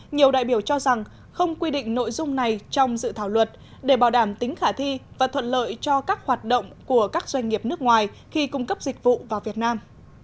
nhiều đại biểu cho rằng không quy định nội dung này trong dự thảo luật để bảo đảm tính khả thi và thuận lợi cho các hoạt động của các doanh nghiệp nước ngoài khi cung cấp dịch vụ vào việt nam